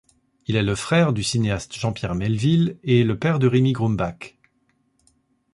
Il est le frère du cinéaste Jean-Pierre Melville et le père de Rémy Grumbach.